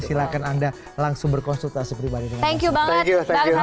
silahkan anda langsung berkonsultasi pribadi dengan anda